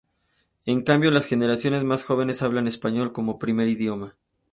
En cambio, las generaciones más jóvenes, hablan español como primer idioma.